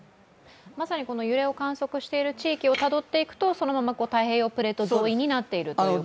まさに揺れを観測している地域をたどっていくと、そのまま太平洋プレート沿いになっているという？